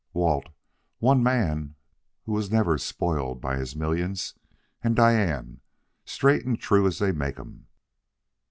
Walt one man who was never spoiled by his millions; and Diane straight and true as they make 'em!